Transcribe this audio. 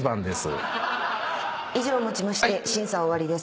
以上をもちまして審査は終わりです。